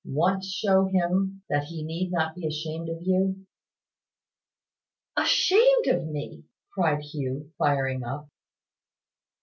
Once show him that he need not be ashamed of you " "Ashamed of me!" cried Hugh, firing up.